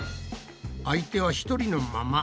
相手は１人のまま。